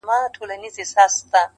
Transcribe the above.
اشنـا په دې چــلو دي وپوهـېدم,